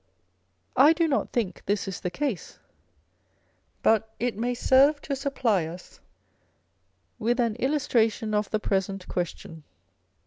I do not think this is the case ; but it may serve to supply us with an illustra tion of the present question.